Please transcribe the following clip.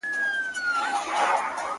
ډير ور نيژدې سوى يم قربان ته رسېدلى يــم.